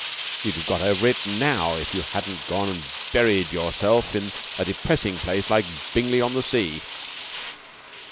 You'd have got over it now if you hadn't gone and buried yourself in a depressing place like Bingley on the Sea."